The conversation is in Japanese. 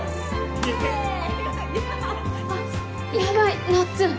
あっヤバいなっつん。